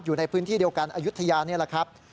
อยู่ในพื้นที่เดียวกันอย่างอย่างยุธยานี้